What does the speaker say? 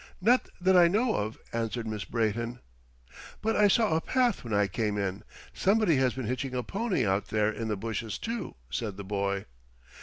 "Not that I know of," answered Miss Brayton. "But I saw a path when I came in. Somebody has been hitching a pony out there in the bushes, too," said the boy.